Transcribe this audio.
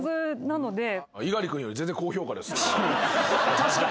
確かに。